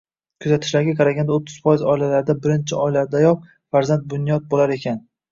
Kuzatishlarga qaraganda, o’ttiz foiz oilalarda birinchi oylardayoq farzand bunyod bo‘lar ekan.